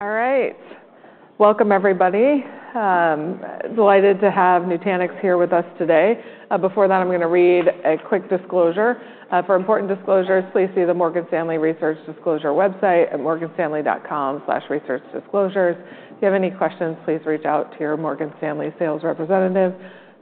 All right. Welcome, everybody. Delighted to have Nutanix here with us today. Before that, I'm going to read a quick disclosure. For important disclosures, please see the Morgan Stanley Research Disclosure website at morganstanley.com/researchdisclosures. If you have any questions, please reach out to your Morgan Stanley sales representative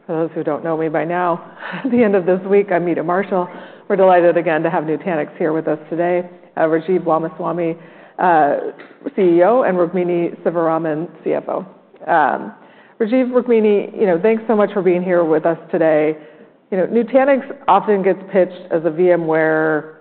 For those who don't know me by now, at the end of this week, I'm Meta Marshall. We're delighted again to have Nutanix here with us today, Rajiv Ramaswami, CEO, and Rukmini Sivaraman, CFO. Rajiv, Rukmini, thanks so much for being here with us today. Nutanix often gets pitched as a VMware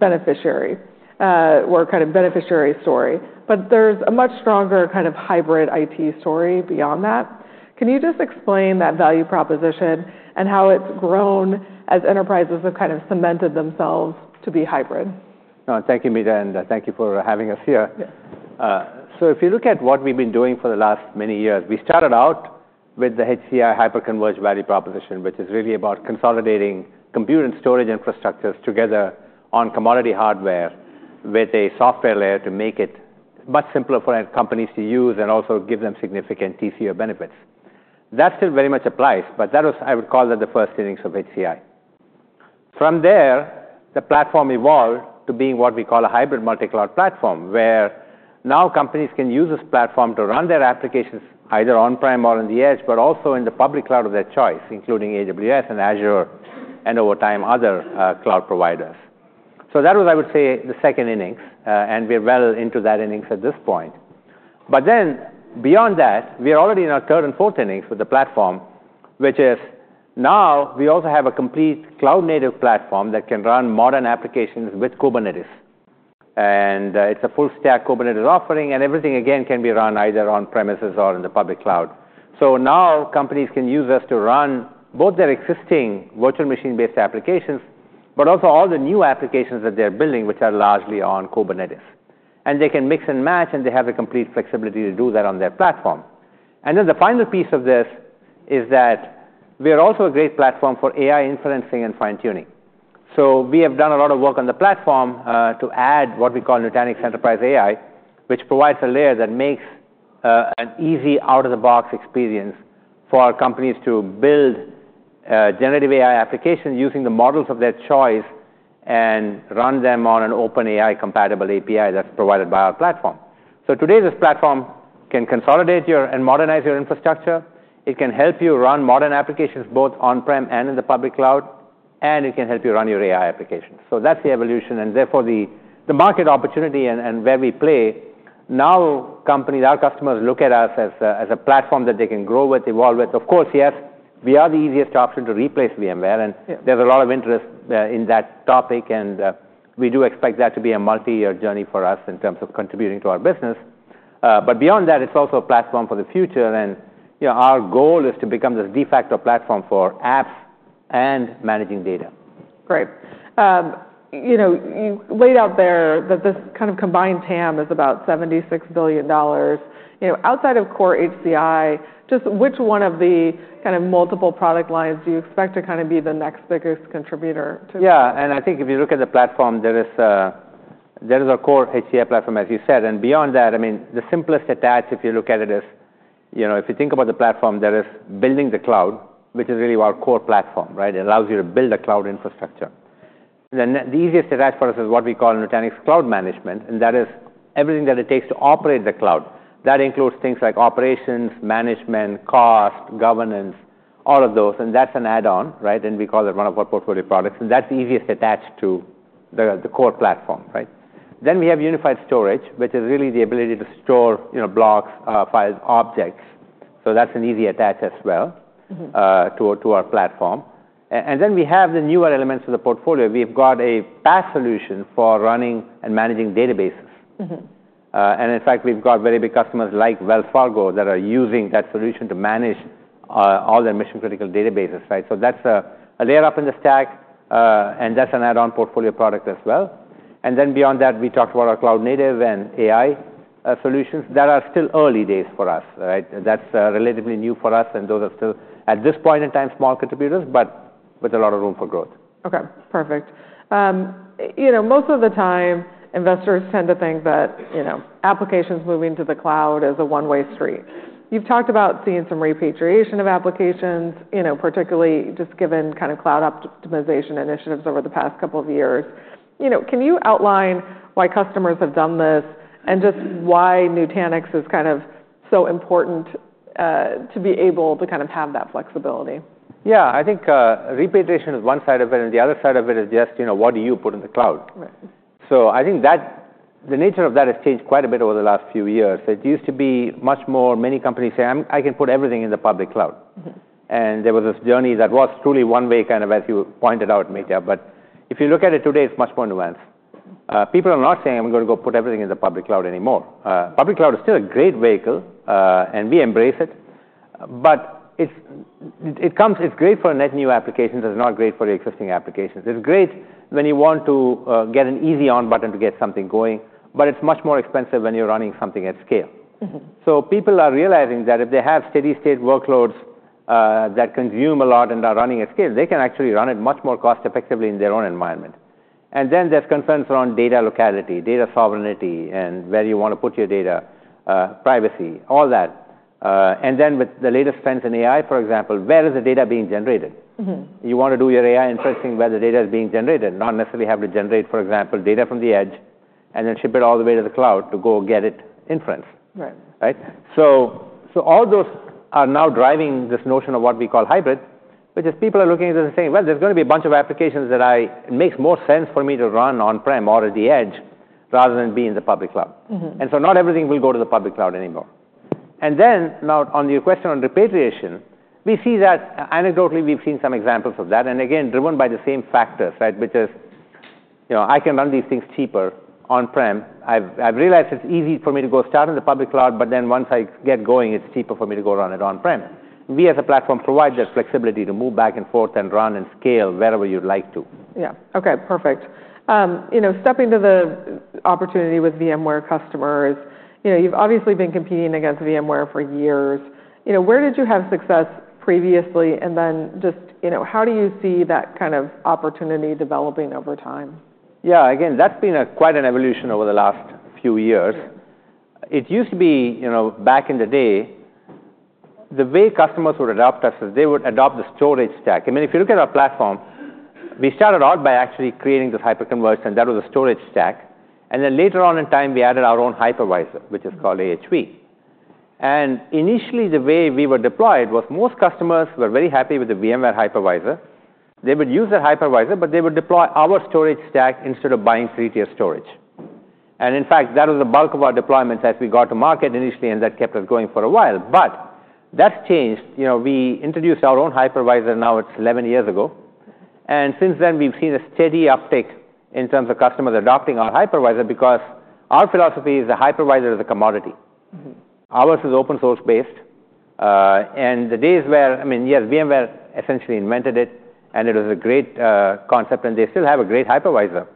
beneficiary or kind of beneficiary story, but there's a much stronger kind of hybrid IT story beyond that. Can you just explain that value proposition and how it's grown as enterprises have kind of cemented themselves to be hybrid? Thank you, Meta, and thank you for having us here. So if you look at what we've been doing for the last many years, we started out with the HCI hyper-converged value proposition, which is really about consolidating compute and storage infrastructures together on commodity hardware with a software layer to make it much simpler for companies to use and also give them significant TCO benefits. That still very much applies, but that was, I would call that, the first innings of HCI. From there, the platform evolved to being what we call a hybrid multi-cloud platform, where now companies can use this platform to run their applications either on-prem or on the edge, but also in the public cloud of their choice, including AWS and Azure and, over time, other cloud providers. So that was, I would say, the second innings, and we're well into that innings at this point. But then, beyond that, we are already in our third and fourth innings with the platform, which is now we also have a complete cloud-native platform that can run modern applications with Kubernetes, and it's a full-stack Kubernetes offering, and everything, again, can be run either on-premises or in the public cloud. So now companies can use us to run both their existing virtual machine-based applications, but also all the new applications that they're building, which are largely on Kubernetes, and they can mix and match, and they have the complete flexibility to do that on their platform, and then the final piece of this is that we are also a great platform for AI inferencing and fine-tuning. So we have done a lot of work on the platform to add what we call Nutanix Enterprise AI, which provides a layer that makes an easy out-of-the-box experience for companies to build generative AI applications using the models of their choice and run them on an OpenAI-compatible API that's provided by our platform. Today, this platform can consolidate and modernize your infrastructure. It can help you run modern applications both on-prem and in the public cloud, and it can help you run your AI applications. That's the evolution, and therefore the market opportunity and where we play. Now companies, our customers, look at us as a platform that they can grow with, evolve with. Of course, yes, we are the easiest option to replace VMware, and there's a lot of interest in that topic, and we do expect that to be a multi-year journey for us in terms of contributing to our business. But beyond that, it's also a platform for the future, and our goal is to become this de facto platform for apps and managing data. Great. You laid out there that this kind of combined TAM is about $76 billion. Outside of core HCI, just which one of the kind of multiple product lines do you expect to kind of be the next biggest contributor to? Yeah, and I think if you look at the platform, there is a core HCI platform, as you said, and beyond that, I mean, the simplest attach, if you look at it, is if you think about the platform, there is building the cloud, which is really our core platform, right? It allows you to build a cloud infrastructure. Then the easiest attach for us is what we call Nutanix Cloud Management, and that is everything that it takes to operate the cloud. That includes things like operations, management, cost, governance, all of those, and that's an add-on, right? And we call that one of our portfolio products, and that's the easiest attach to the core platform, right? Then we have Unified Storage, which is really the ability to store blocks, files, objects. So that's an easy attach as well to our platform, and then we have the newer elements of the portfolio. We've got a PaaS solution for running and managing databases, and in fact, we've got very big customers like Wells Fargo that are using that solution to manage all their mission-critical databases, right? So that's a layer up in the stack, and that's an add-on portfolio product as well, and then beyond that, we talked about our cloud-native and AI solutions. That are still early days for us, right? That's relatively new for us, and those are still, at this point in time, small contributors, but with a lot of room for growth. Okay, perfect. Most of the time, investors tend to think that applications moving to the cloud is a one-way street. You've talked about seeing some repatriation of applications, particularly just given kind of cloud optimization initiatives over the past couple of years. Can you outline why customers have done this and just why Nutanix is kind of so important to be able to kind of have that flexibility? Yeah, I think repatriation is one side of it, and the other side of it is just what do you put in the cloud, so I think that the nature of that has changed quite a bit over the last few years. It used to be much more, many companies say, "I can put everything in the public cloud," and there was this journey that was truly one-way, kind of as you pointed out, Meta, but if you look at it today, it's much more nuanced. People are not saying, "I'm going to go put everything in the public cloud anymore." Public cloud is still a great vehicle, and we embrace it, but it's great for net new applications. It's not great for existing applications. It's great when you want to get an easy on button to get something going, but it's much more expensive when you're running something at scale, so people are realizing that if they have steady-state workloads that consume a lot and are running at scale, they can actually run it much more cost-effectively in their own environment, and then there's concerns around data locality, data sovereignty, and where you want to put your data, privacy, all that, and then with the latest trends in AI, for example, where is the data being generated? You want to do your AI inferencing where the data is being generated, not necessarily have to generate, for example, data from the edge and then ship it all the way to the cloud to go get inferencing, right? All those are now driving this notion of what we call hybrid, which is people are looking at it and saying, "Well, there's going to be a bunch of applications that it makes more sense for me to run on-prem or at the edge rather than be in the public cloud." Not everything will go to the public cloud anymore. Now on your question on repatriation, we see that anecdotally we've seen some examples of that, and again, driven by the same factors, right? Which is I can run these things cheaper on-prem. I've realized it's easy for me to go start in the public cloud, but then once I get going, it's cheaper for me to go run it on-prem. We, as a platform, provide that flexibility to move back and forth and run and scale wherever you'd like to. Yeah, okay, perfect. Stepping to the opportunity with VMware customers, you've obviously been competing against VMware for years. Where did you have success previously, and then just how do you see that kind of opportunity developing over time? Yeah, again, that's been quite an evolution over the last few years. It used to be back in the day, the way customers would adopt us is they would adopt the storage stack. I mean, if you look at our platform, we started out by actually creating this hyper-converged, and that was a storage stack, and then later on in time, we added our own hypervisor, which is called AHV. And initially, the way we were deployed was most customers were very happy with the VMware hypervisor. They would use their hypervisor, but they would deploy our storage stack instead of buying three-tier storage, and in fact, that was the bulk of our deployment as we got to market initially, and that kept us going for a while. But that's changed. We introduced our own hypervisor. Now it's 11 years ago, and since then, we've seen a steady uptick in terms of customers adopting our hypervisor because our philosophy is a hypervisor is a commodity. Ours is open-source based, and the days where, I mean, yes, VMware essentially invented it, and it was a great concept, and they still have a great hypervisor,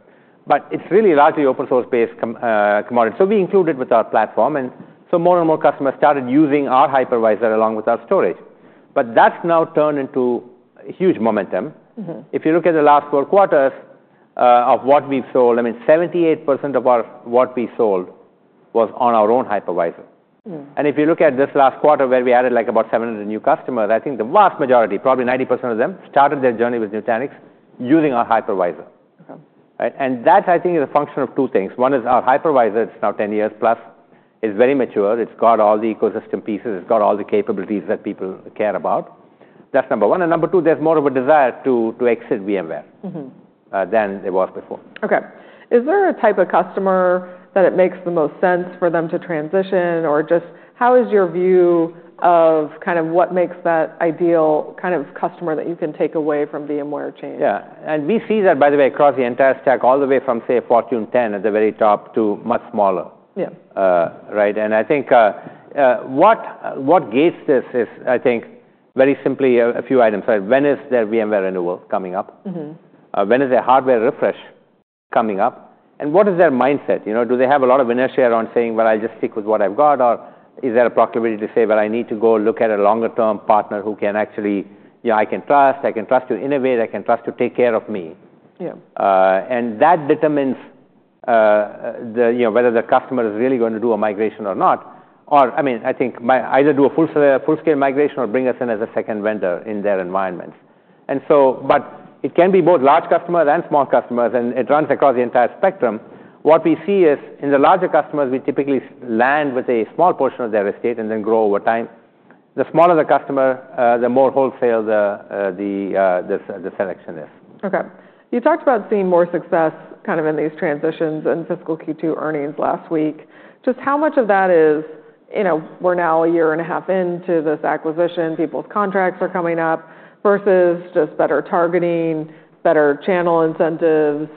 but it's really largely open-source based commodity. So we included it with our platform, and so more and more customers started using our hypervisor along with our storage. But that's now turned into huge momentum. If you look at the last four quarters of what we've sold, I mean, 78% of what we sold was on our own hypervisor, and if you look at this last quarter where we added like about 700 new customers, I think the vast majority, probably 90% of them, started their journey with Nutanix using our hypervisor. That, I think, is a function of two things. One is our hypervisor. It's now 10 years plus. It's very mature. It's got all the ecosystem pieces. It's got all the capabilities that people care about. That's number one. And number two, there's more of a desire to exit VMware than there was before. Okay. Is there a type of customer that it makes the most sense for them to transition, or just how is your view of kind of what makes that ideal kind of customer that you can take away from VMware change? Yeah, and we see that, by the way, across the entire stack, all the way from, say, Fortune 10 at the very top to much smaller, right? And I think what gauges this is, I think, very simply a few items. When is their VMware renewal coming up? When is their hardware refresh coming up? And what is their mindset? Do they have a lot of inertia around saying, "Well, I'll just stick with what I've got," or is there a proclivity to say, "Well, I need to go look at a longer-term partner who can actually, I can trust. I can trust to innovate. I can trust to take care of me." And that determines whether the customer is really going to do a migration or not, or I mean, I think either do a full-scale migration or bring us in as a second vendor in their environments. But it can be both large customers and small customers, and it runs across the entire spectrum. What we see is in the larger customers, we typically land with a small portion of their estate and then grow over time. The smaller the customer, the more wholesale the selection is. Okay. You talked about seeing more success kind of in these transitions and fiscal Q2 earnings last week. Just how much of that is we're now a year and a half into this acquisition, people's contracts are coming up versus just better targeting, better channel incentives?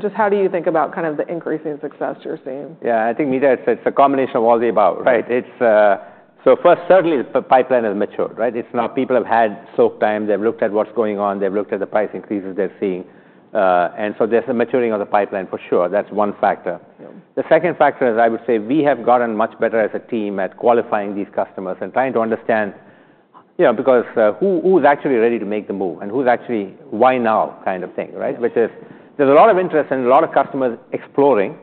Just how do you think about kind of the increasing success you're seeing? Yeah, I think, Meta, it's a combination of all the above, right? So first, certainly, the pipeline has matured, right? Now people have had soak time. They've looked at what's going on. They've looked at the price increases they're seeing. And so there's a maturing of the pipeline for sure. That's one factor. The second factor is I would say we have gotten much better as a team at qualifying these customers and trying to understand because who's actually ready to make the move and who's actually why now kind of thing, right? Which is there's a lot of interest and a lot of customers exploring,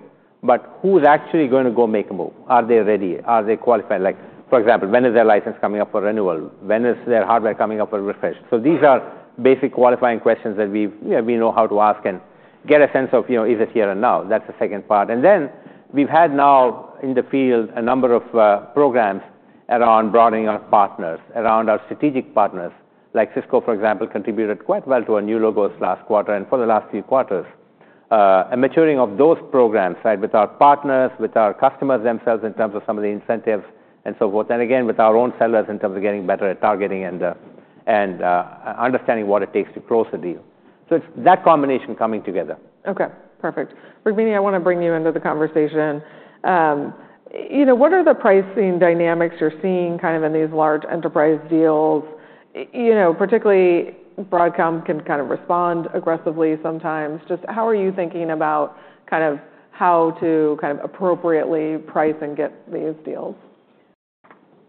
but who's actually going to go make a move? Are they ready? Are they qualified? For example, when is their license coming up for renewal? When is their hardware coming up for refresh? So, these are basic qualifying questions that we know how to ask and get a sense of, is it here or now? That's the second part, and then we've had now in the field a number of programs around broadening our partners, around our strategic partners. Like Cisco, for example, contributed quite well to our new logos last quarter and for the last few quarters, and maturing of those programs, right, with our partners, with our customers themselves in terms of some of the incentives and so forth, and again, with our own sellers in terms of getting better at targeting and understanding what it takes to close a deal. So it's that combination coming together. Okay, perfect. Rukmini, I want to bring you into the conversation. What are the pricing dynamics you're seeing kind of in these large enterprise deals? Particularly, Broadcom can kind of respond aggressively sometimes. Just how are you thinking about kind of how to kind of appropriately price and get these deals?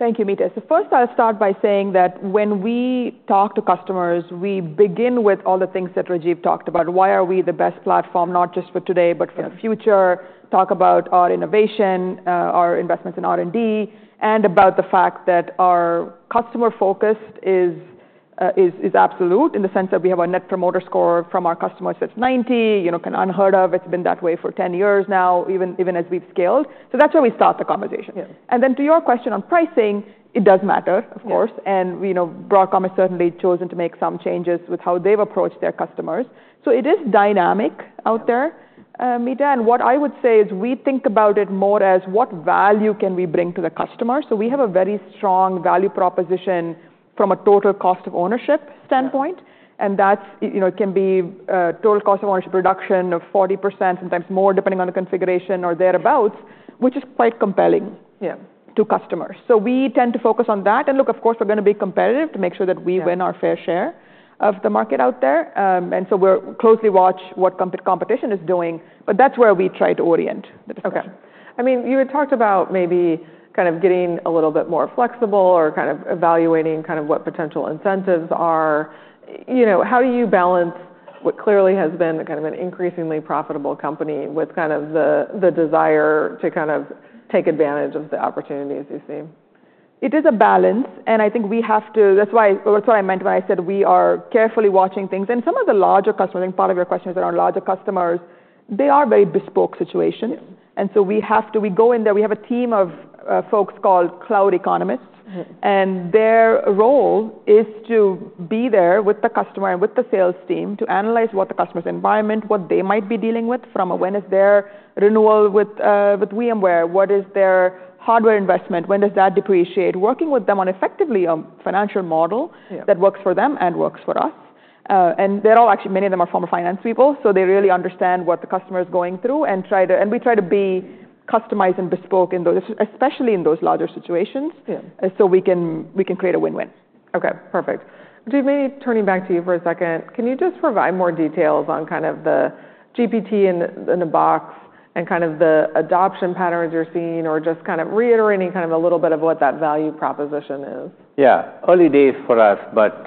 Thank you, Meta. So first, I'll start by saying that when we talk to customers, we begin with all the things that Rajiv talked about. Why are we the best platform, not just for today, but for the future? Talk about our innovation, our investments in R&D, and about the fact that our customer focus is absolute in the sense that we have a Net Promoter Score from our customers that's 90, kind of unheard of. It's been that way for 10 years now, even as we've scaled. So that's where we start the conversation, and then to your question on pricing, it does matter, of course, and Broadcom has certainly chosen to make some changes with how they've approached their customers. So it is dynamic out there, Meta, and what I would say is we think about it more as what value can we bring to the customer. So we have a very strong value proposition from a total cost of ownership standpoint, and that can be total cost of ownership reduction of 40%, sometimes more depending on the configuration or thereabouts, which is quite compelling to customers. So we tend to focus on that and look, of course, we're going to be competitive to make sure that we win our fair share of the market out there, and so we closely watch what competition is doing, but that's where we try to orient the discussion. Okay. I mean, you had talked about maybe kind of getting a little bit more flexible or kind of evaluating kind of what potential incentives are. How do you balance what clearly has been kind of an increasingly profitable company with kind of the desire to kind of take advantage of the opportunities you see? It is a balance, and I think we have to. That's what I meant when I said we are carefully watching things. Some of the larger customers, and part of your question is around larger customers, they are very bespoke situations. So we go in there. We have a team of folks called cloud economists, and their role is to be there with the customer and with the sales team to analyze what the customer's environment, what they might be dealing with from a when is their renewal with VMware, what is their hardware investment, when does that depreciate, working with them on effectively a financial model that works for them and works for us. They're all actually, many of them are former finance people, so they really understand what the customer is going through, and we try to be customized and bespoke in those, especially in those larger situations, so we can create a win-win. Okay, perfect. Rajiv, maybe turning back to you for a second, can you just provide more details on kind of the GPT-in-a-Box and kind of the adoption patterns you're seeing, or just kind of reiterating kind of a little bit of what that value proposition is? Yeah, early days for us, but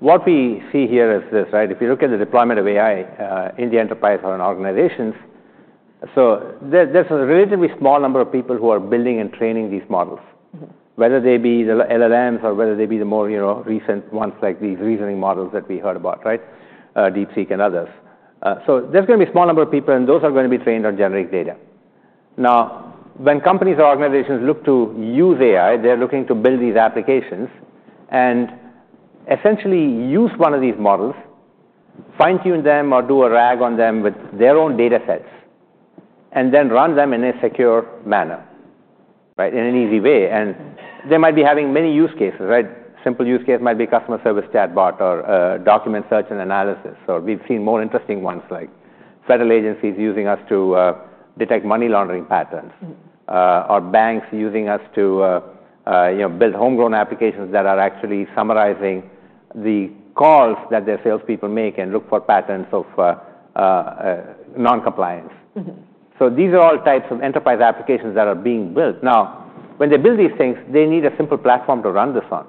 what we see here is this, right? If you look at the deployment of AI in the enterprise or in organizations, so there's a relatively small number of people who are building and training these models, whether they be the LLMs or whether they be the more recent ones like these reasoning models that we heard about, right, DeepSeek and others, so there's going to be a small number of people, and those are going to be trained on generic data. Now, when companies or organizations look to use AI, they're looking to build these applications and essentially use one of these models, fine-tune them, or do a RAG on them with their own data sets, and then run them in a secure manner, right, in an easy way, and they might be having many use cases, right? Simple use case might be customer service chatbot or document search and analysis or we've seen more interesting ones like federal agencies using us to detect money laundering patterns, or banks using us to build homegrown applications that are actually summarizing the calls that their salespeople make and look for patterns of non-compliance. So these are all types of enterprise applications that are being built. Now, when they build these things, they need a simple platform to run this on,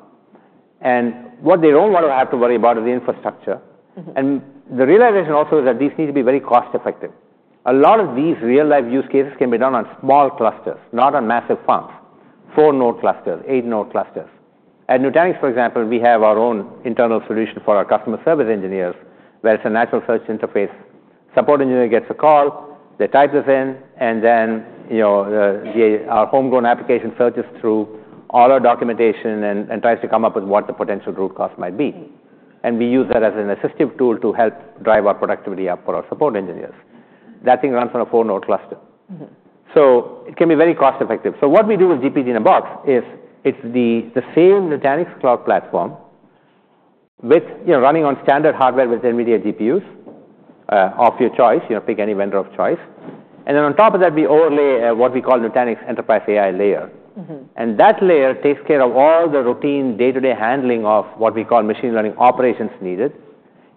and what they don't want to have to worry about is the infrastructure, and the realization also is that these need to be very cost-effective. A lot of these real-life use cases can be done on small clusters, not on massive ones, four-node clusters, eight-node clusters. At Nutanix, for example, we have our own internal solution for our customer service engineers where it's a natural search interface. Support engineer gets a call, they type this in, and then our homegrown application searches through all our documentation and tries to come up with what the potential root cause might be. And we use that as an assistive tool to help drive our productivity up for our support engineers. That thing runs on a four-node cluster. So it can be very cost-effective. So what we do with GPT-in-a-Box is it's the same Nutanix Cloud Platform running on standard hardware with NVIDIA GPUs of your choice. You pick any vendor of choice, and then on top of that, we overlay what we call Nutanix Enterprise AI layer, and that layer takes care of all the routine day-to-day handling of what we call machine learning operations needed.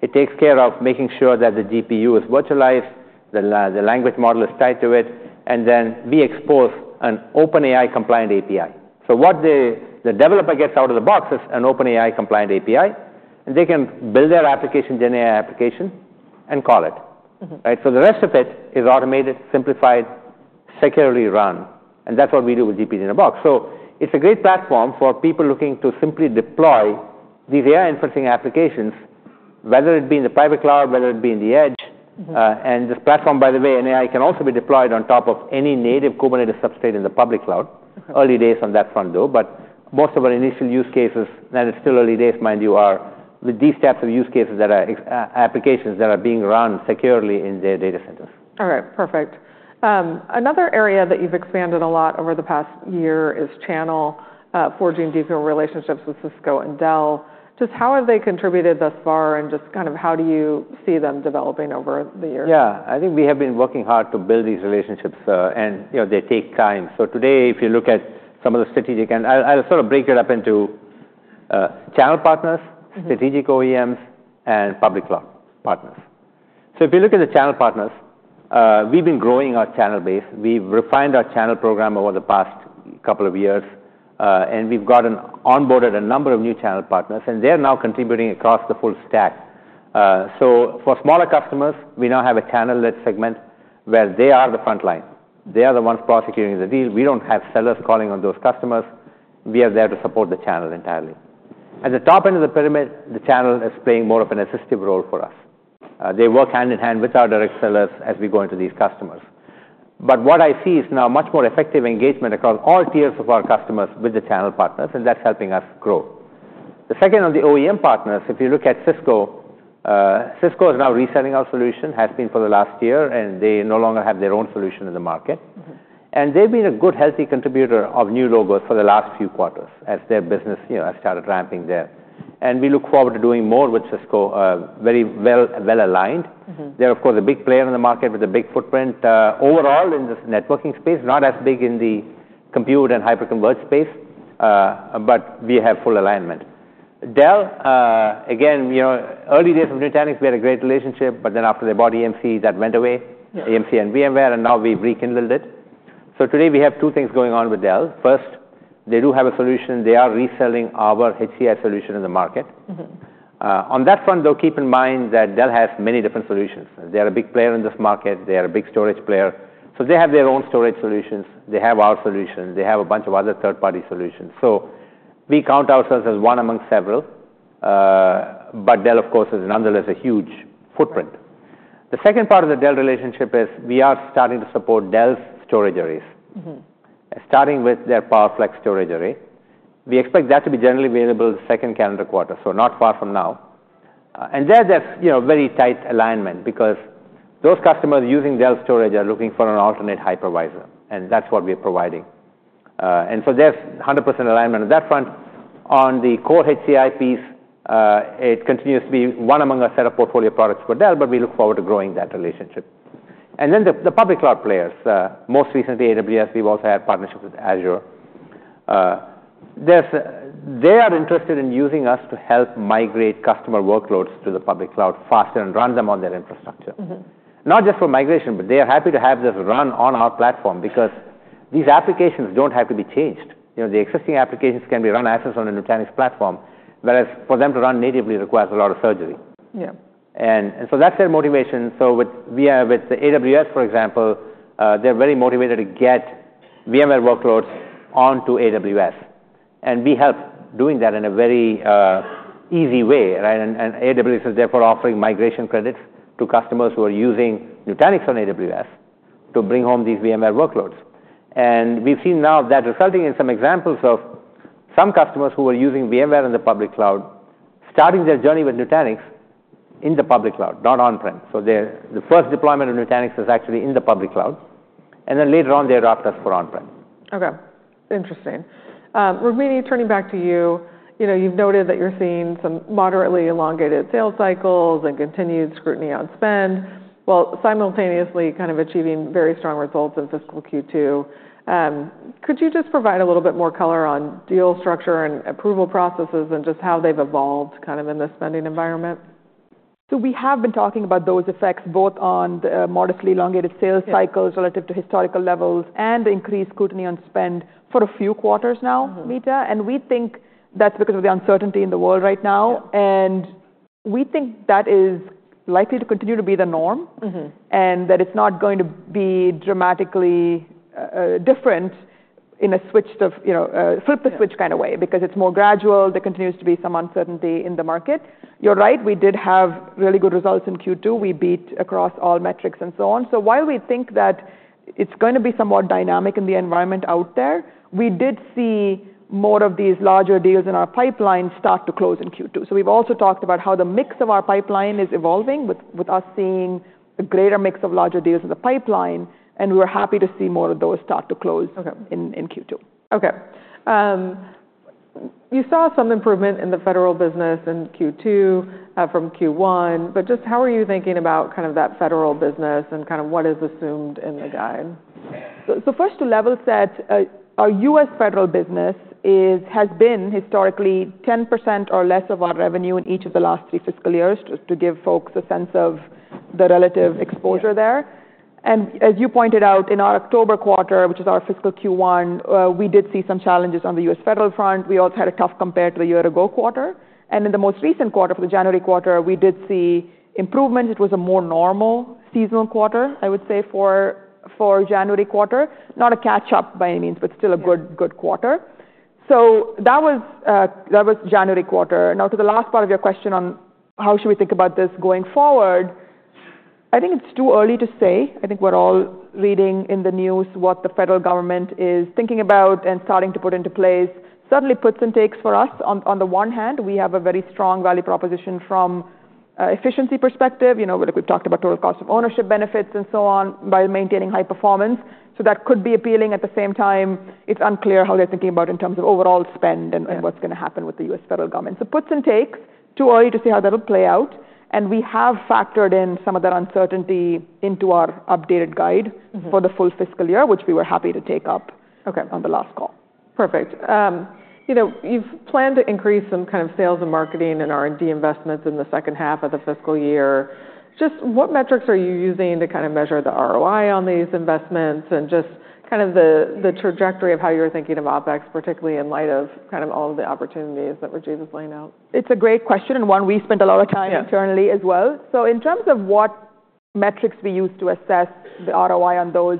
It takes care of making sure that the GPU is virtualized, the language model is tied to it, and then we expose an OpenAI-compliant API. So what the developer gets out of the box is an OpenAI-compliant API, and they can build their application, generate an application, and call it, right? So the rest of it is automated, simplified, securely run, and that's what we do with GPT-in-a-Box. So it's a great platform for people looking to simply deploy these AI inferencing applications, whether it be in the private cloud, whether it be in the edge. This platform, by the way, and AI can also be deployed on top of any native Kubernetes substrate in the public cloud. Early days on that front, though, but most of our initial use cases, and it's still early days, mind you, are with these types of use cases that are applications that are being run securely in their data centers. All right, perfect. Another area that you've expanded a lot over the past year is channel, forging deeper relationships with Cisco and Dell. Just how have they contributed thus far, and just kind of how do you see them developing over the years? Yeah, I think we have been working hard to build these relationships, and they take time. So today, if you look at some of the strategic, and I'll sort of break it up into channel partners, strategic OEMs, and public cloud partners. So if you look at the channel partners, we've been growing our channel base. We've refined our channel program over the past couple of years, and we've gotten onboarded a number of new channel partners, and they're now contributing across the full stack. So for smaller customers, we now have a channel that segment where they are the frontline. They are the ones prosecuting the deal. We don't have sellers calling on those customers. We are there to support the channel entirely. At the top end of the pyramid, the channel is playing more of an assistive role for us. They work hand in hand with our direct sellers as we go into these customers. But what I see is now much more effective engagement across all tiers of our customers with the channel partners, and that's helping us grow. The second on the OEM partners, if you look at Cisco, Cisco is now reselling our solution, has been for the last year, and they no longer have their own solution in the market, and they've been a good, healthy contributor of new logos for the last few quarters as their business has started ramping there, and we look forward to doing more with Cisco, very well aligned. They're, of course, a big player in the market with a big footprint overall in this networking space, not as big in the compute and hyper-converged space, but we have full alignment. Dell, again, early days of Nutanix, we had a great relationship, but then after they bought EMC, that went away, EMC and VMware, and now we've rekindled it. So today we have two things going on with Dell. First, they do have a solution. They are reselling our HCI solution in the market. On that front, though, keep in mind that Dell has many different solutions. They are a big player in this market. They are a big storage player. So they have their own storage solutions. They have our solution. They have a bunch of other third-party solutions. So we count ourselves as one among several, but Dell, of course, is nonetheless a huge footprint. The second part of the Dell relationship is we are starting to support Dell's storage arrays, starting with their PowerFlex storage array. We expect that to be generally available the second calendar quarter, so not far from now, and there's very tight alignment because those customers using Dell storage are looking for an alternate hypervisor, and that's what we are providing, and so there's 100% alignment on that front. On the core HCI piece, it continues to be one among a set of portfolio products for Dell, but we look forward to growing that relationship, and then the public cloud players, most recently AWS, we've also had partnership with Azure. They are interested in using us to help migrate customer workloads to the public cloud faster and run them on their infrastructure. Not just for migration, but they are happy to have this run on our platform because these applications don't have to be changed. The existing applications can be run as is on a Nutanix platform, whereas for them to run natively requires a lot of surgery, and so that's their motivation. So with AWS, for example, they're very motivated to get VMware workloads onto AWS, and we help doing that in a very easy way, right? And AWS is therefore offering migration credits to customers who are using Nutanix on AWS to bring home these VMware workloads. And we've seen now that resulting in some examples of some customers who were using VMware in the public cloud starting their journey with Nutanix in the public cloud, not on-prem. So the first deployment of Nutanix was actually in the public cloud, and then later on they adopt us for on-prem. Okay, interesting. Rukmini, turning back to you, you've noted that you're seeing some moderately elongated sales cycles and continued scrutiny on spend, while simultaneously kind of achieving very strong results in fiscal Q2. Could you just provide a little bit more color on deal structure and approval processes and just how they've evolved kind of in the spending environment? We have been talking about those effects both on the modestly elongated sales cycles relative to historical levels and the increased scrutiny on spend for a few quarters now, Meta, and we think that's because of the uncertainty in the world right now, and we think that is likely to continue to be the norm and that it's not going to be dramatically different in a switch to flip the switch kind of way because it's more gradual. There continues to be some uncertainty in the market. You're right, we did have really good results in Q2. We beat across all metrics and so on, while we think that it's going to be somewhat dynamic in the environment out there, we did see more of these larger deals in our pipeline start to close in Q2. So we've also talked about how the mix of our pipeline is evolving with us seeing a greater mix of larger deals in the pipeline, and we're happy to see more of those start to close in Q2. Okay. You saw some improvement in the federal business in Q2 from Q1, but just how are you thinking about kind of that federal business and kind of what is assumed in the guide? So, first to level set, our U.S. federal business has been historically 10% or less of our revenue in each of the last three fiscal years just to give folks a sense of the relative exposure there, and as you pointed out, in our October quarter, which is our fiscal Q1, we did see some challenges on the U.S. federal front. We also had a tough compare to the year ago quarter, and in the most recent quarter, for the January quarter, we did see improvements. It was a more normal seasonal quarter, I would say, for January quarter. Not a catch-up by any means, but still a good quarter. So that was January quarter. Now, to the last part of your question on how should we think about this going forward, I think it's too early to say. I think we're all reading in the news what the federal government is thinking about and starting to put into place. Certainly, puts and takes for us. On the one hand, we have a very strong value proposition from an efficiency perspective. We've talked about total cost of ownership benefits and so on by maintaining high performance. So that could be appealing. At the same time, it's unclear how they're thinking about in terms of overall spend and what's going to happen with the U.S. federal government. So puts and takes, too early to see how that'll play out, and we have factored in some of that uncertainty into our updated guide for the full fiscal year, which we were happy to take up on the last call. Perfect. You've planned to increase some kind of sales and marketing and R&D investments in the second half of the fiscal year. Just what metrics are you using to kind of measure the ROI on these investments and just kind of the trajectory of how you're thinking of OpEx, particularly in light of kind of all of the opportunities that Rukmini is laying out? It's a great question and one we spend a lot of time internally as well. So in terms of what metrics we use to assess the ROI on those,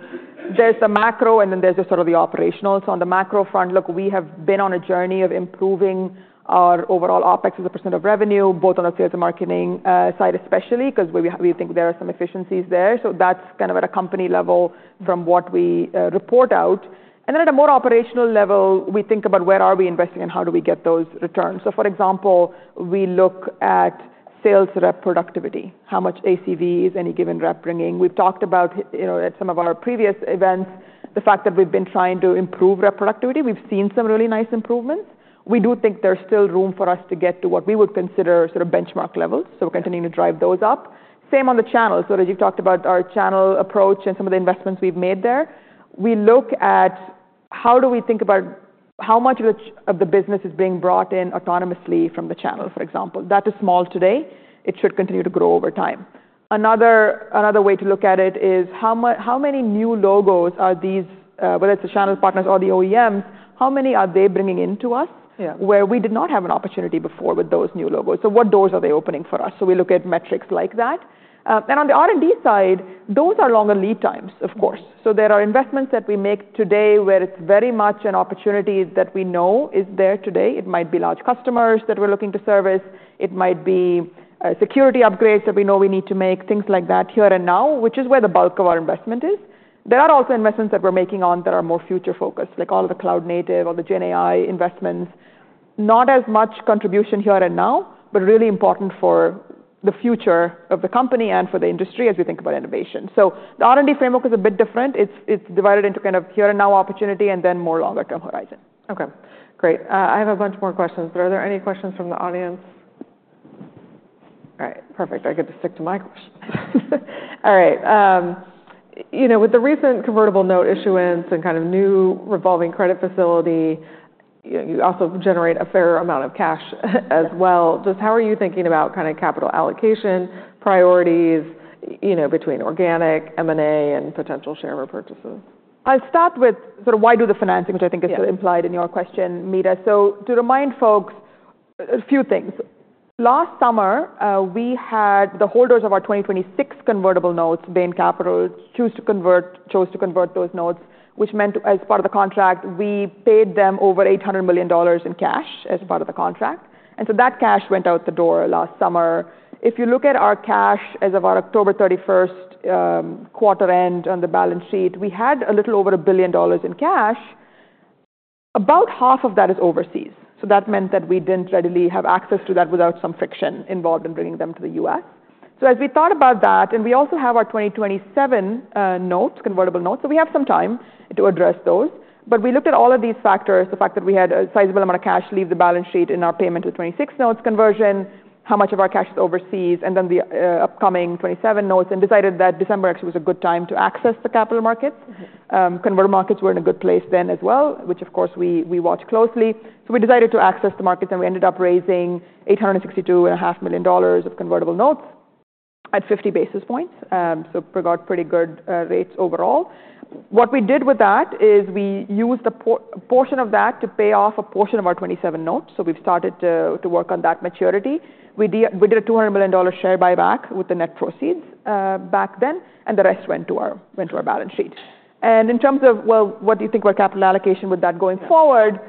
there's the macro and then there's just sort of the operational. So on the macro front, look, we have been on a journey of improving our overall OpEx as a % of revenue, both on the sales and marketing side especially because we think there are some efficiencies there. So that's kind of at a company level from what we report out. And then at a more operational level, we think about where are we investing and how do we get those returns. So for example, we look at sales productivity, how much ACV is any given rep bringing. We've talked about at some of our previous events, the fact that we've been trying to improve productivity. We've seen some really nice improvements. We do think there's still room for us to get to what we would consider sort of benchmark levels. So we're continuing to drive those up. Same on the channel. So as you've talked about our channel approach and some of the investments we've made there, we look at how do we think about how much of the business is being brought in autonomously from the channel, for example. That is small today. It should continue to grow over time. Another way to look at it is how many new logos are these, whether it's the channel partners or the OEMs, how many are they bringing into us where we did not have an opportunity before with those new logos? So what doors are they opening for us? So we look at metrics like that. On the R&D side, those are longer lead times, of course. There are investments that we make today where it's very much an opportunity that we know is there today. It might be large customers that we're looking to service. It might be security upgrades that we know we need to make, things like that here and now, which is where the bulk of our investment is. There are also investments that we're making on that are more future-focused, like all of the cloud native or the GenAI investments. Not as much contribution here and now, but really important for the future of the company and for the industry as we think about innovation. The R&D framework is a bit different. It's divided into kind of here and now opportunity and then more longer-term horizon. Okay, great. I have a bunch more questions, but are there any questions from the audience? All right, perfect. I get to stick to my questions. All right. With the recent convertible note issuance and kind of new revolving credit facility, you also generate a fair amount of cash as well. Just how are you thinking about kind of capital allocation priorities between organic, M&A, and potential share repurchases? I'll start with sort of why do the financing, which I think is implied in your question, Meta, so to remind folks, a few things. Last summer, we had the holders of our 2026 convertible notes, Bain Capital, chose to convert those notes, which meant as part of the contract, we paid them over $800 million in cash as part of the contract. That cash went out the door last summer. If you look at our cash as of our October 31st quarter end on the balance sheet, we had a little over $1 billion in cash. About half of that is overseas. That meant that we didn't readily have access to that without some friction involved in bringing them to the US. As we thought about that, we also have our 2027 notes, convertible notes, so we have some time to address those. But we looked at all of these factors, the fact that we had a sizable amount of cash leave the balance sheet in our payment to the 2026 notes conversion, how much of our cash is overseas, and then the upcoming 2027 notes, and decided that December actually was a good time to access the capital markets. Convertible markets were in a good place then as well, which of course we watch closely. So we decided to access the markets and we ended up raising $862.5 million of convertible notes at 50 basis points. So we got pretty good rates overall. What we did with that is we used a portion of that to pay off a portion of our 2027 notes. So we've started to work on that maturity. We did a $200 million share buyback with the net proceeds back then, and the rest went to our balance sheet, and in terms of, well, what do you think of our capital allocation with that going forward?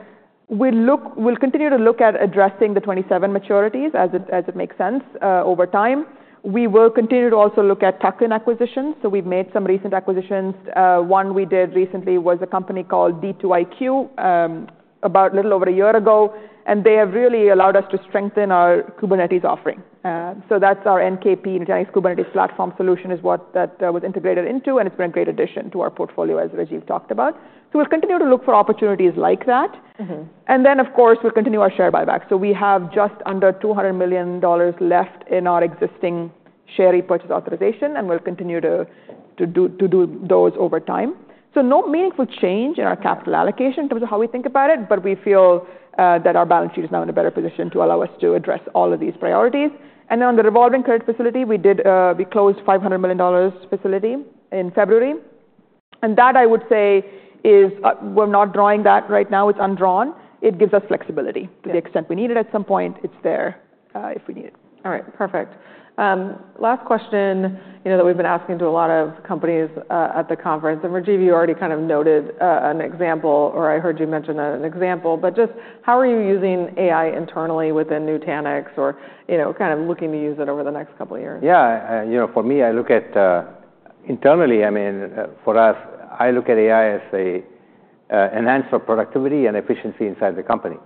We'll continue to look at addressing the 2027 maturities as it makes sense over time. We will continue to also look at tuck-in acquisitions, so we've made some recent acquisitions. One we did recently was a company called D2iQ about a little over a year ago, and they have really allowed us to strengthen our Kubernetes offering, so that's our NKP Nutanix Kubernetes Platform solution, is what that was integrated into, and it's been a great addition to our portfolio as Rukmini talked about, so we'll continue to look for opportunities like that, and then, of course, we'll continue our share buyback. So we have just under $200 million left in our existing share repurchase authorization, and we'll continue to do those over time. So no meaningful change in our capital allocation in terms of how we think about it, but we feel that our balance sheet is now in a better position to allow us to address all of these priorities, and then on the revolving credit facility, we closed a $500 million facility in February, and that, I would say, is we're not drawing that right now. It's undrawn. It gives us flexibility to the extent we need it at some point, it's there if we need it. All right, perfect. Last question that we've been asking to a lot of companies at the conference, and, Rajiv you aleady kind of noted an example, or I heard you mention an example, but just how are you using AI internally within Nutanix or kind of looking to use it over the next couple of years? Yeah, for me, I look at internally, I mean, for us, I look at AI as an answer of productivity and efficiency inside the company.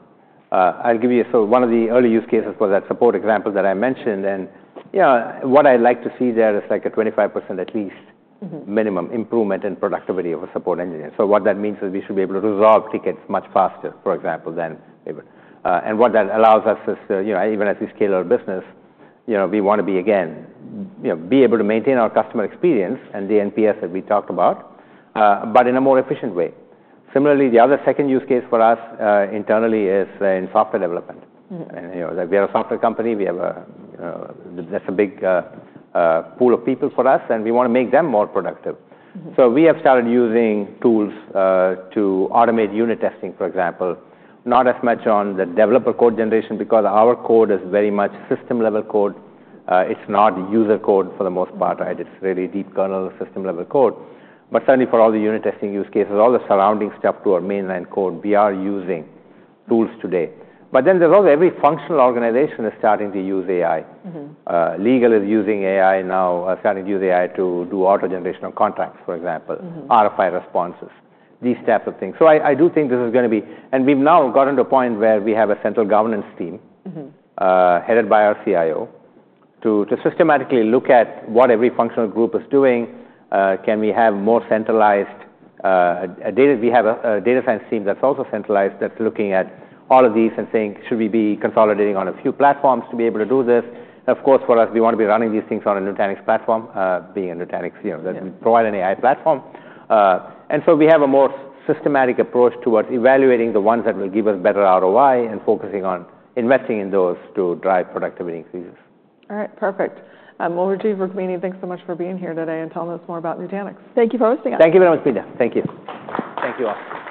I'll give you one of the early use cases for that support example that I mentioned, and what I'd like to see there is like a 25% at least minimum improvement in productivity of a support engineer, so what that means is we should be able to resolve tickets much faster, for example, than ever, and what that allows us is, even as we scale our business, we want to be, again, be able to maintain our customer experience and the NPS that we talked about, but in a more efficient way. Similarly, the other second use case for us internally is in software development. We are a software company. That's a big pool of people for us, and we want to make them more productive. So we have started using tools to automate unit testing, for example, not as much on the developer code generation because our code is very much system-level code. It's not user code for the most part. It's really deep kernel system-level code. But certainly for all the unit testing use cases, all the surrounding stuff to our mainline code, we are using tools today. But then there's also every functional organization is starting to use AI. Legal is using AI now, starting to use AI to do auto-generation of contracts, for example, RFI responses, these types of things. So I do think this is going to be, and we've now gotten to a point where we have a central governance team headed by our CIO to systematically look at what every functional group is doing. Can we have more centralized data? We have a data science team that's also centralized that's looking at all of these and saying, should we be consolidating on a few platforms to be able to do this? Of course, for us, we want to be running these things on a Nutanix platform, being a Nutanix that we provide an AI platform, and so we have a more systematic approach towards evaluating the ones that will give us better ROI and focusing on investing in those to drive productivity increases. All right, perfect. Well, Rajiv, Rukmini, thanks so much for being here today and telling us more about Nutanix. Thank you for hosting us. Thank you very much, Meta. Thank you. Thank you all.